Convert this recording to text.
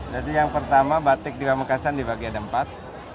jadi yang pertama batik di pamekasan di bagian empat